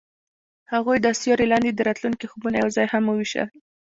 هغوی د ستوري لاندې د راتلونکي خوبونه یوځای هم وویشل.